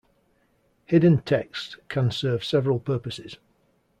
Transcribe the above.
Hidden text can serve several purposes.